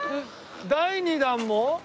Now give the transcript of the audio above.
第２弾も？